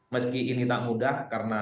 meski ini tak mudah karena